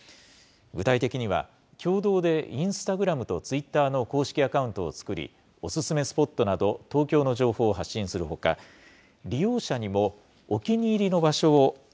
具体的には、共同でインスタグラムとツイッターの公式アカウントを作り、お勧めスポットなど東京の情報を発信するほか、利用者にもお気に入りの場所を＃